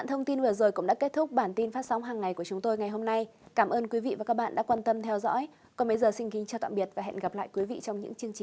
hãy đăng kí cho kênh lalaschool để không bỏ lỡ những video hấp dẫn